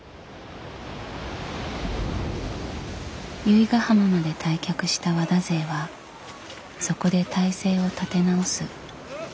由比ヶ浜まで退却した和田勢はそこで態勢を立て直す。